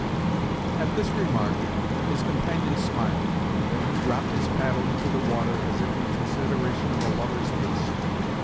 At this remark his companion smiled, and then he dropped his paddle into the water, as if in consideration of a lover's haste.